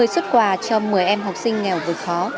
một mươi xuất quà cho một mươi em học sinh nghèo vượt khó